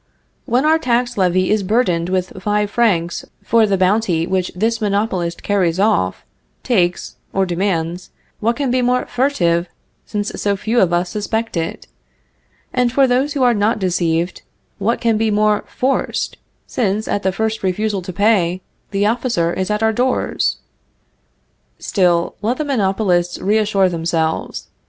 When our tax levy is burdened with five francs for the bounty which this monopolist carries off, takes, or demands, what can be more furtive, since so few of us suspect it? And for those who are not deceived, what can be more forced, since, at the first refusal to pay, the officer is at our doors? Still, let the monopolists reassure themselves.